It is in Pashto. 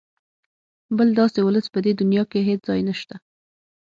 بل داسې ولس په دې دونیا کې هېڅ ځای نشته.